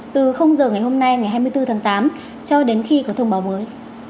từ giờ ngày hôm nay ngày hai mươi bốn tháng tám cho đến khi có thông báo mới